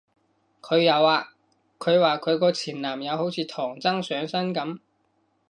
佢有啊，佢話佢個前男友好似唐僧上身噉